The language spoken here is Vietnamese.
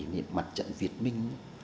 thì nhìn mặt trận việt minh